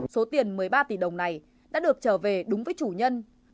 số tiền một mươi ba tỷ đồng này đã được trở về đúng với chủ nhân